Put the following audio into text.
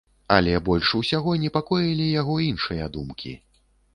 Але больш усяго непакоілі яго іншыя думкі.